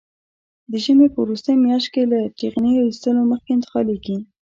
د ژمي په وروستۍ میاشت کې له ټېغنې ایستلو مخکې انتقالېږي.